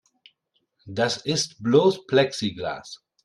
Das ist bloß Plexiglas.